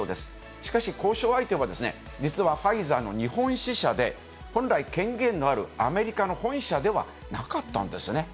しかし、交渉相手はですね、実はファイザーの日本支社で、本来権限のあるアメリカの本社ではなかったんですね。